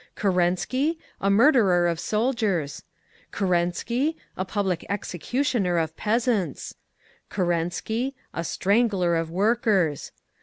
"Kerensky? A murderer of soldiers! "Kerensky? A public executioner of peasants! "Kerensky? A strangler of workers!